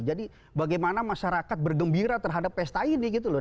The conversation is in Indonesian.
jadi bagaimana masyarakat bergembira terhadap pesta ini gitu loh